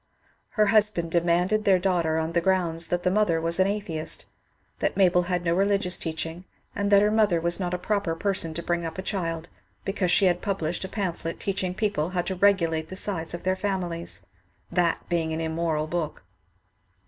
Her husband demanded their daughter on the grounds that the mother was an atheist, that Mabel had no religious teaching, and that her mother was not a proper person to bring up a child, because she had published a pam phlet teaching people how to regulate the size of their fam ilies, that being an immoral book.